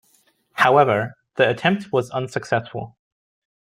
However, the attempt was unsuccessful.